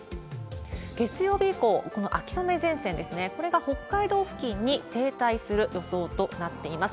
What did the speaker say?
月曜日以降、この秋雨前線ですね、これが北海道付近に停滞する予想となっています。